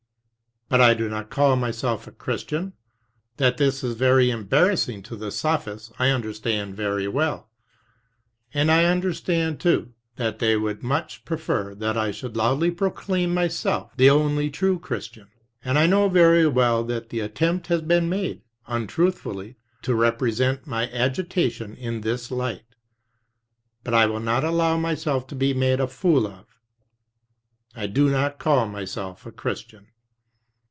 "But I do not call myself a Christian. That this is very embarassing to the sophists, I understand very well; and I understand, too, that they would much prefer that I should loudly proclaim myself the only true Christian, and I know very well that the attempt has been made, untruthfully, to represent my agita tion in this light. But I will not allow myself to be made a fool of. ... I do not call myself a Christian.